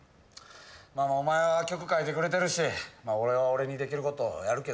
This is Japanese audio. まあまあお前は曲書いてくれてるし俺は俺にできることをやるけどさ。